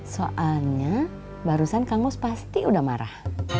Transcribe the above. soalnya barusan kang mus pasti udah marah